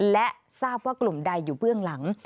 และทราบว่ากลุ่มใดอยู่เบื้องหลัง